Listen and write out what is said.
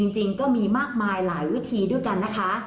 จริงก็มีมากมายหลายวิธีด้วยกันนะคะ